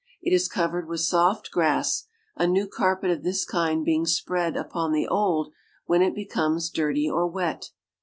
It is covered with soft grass, a new carpet of this kind being spread upon the old when it becomes dirty or wet.